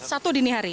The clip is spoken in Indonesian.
satu dini hari